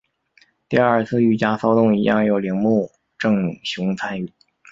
第二次御家骚动一样有铃木正雄参与。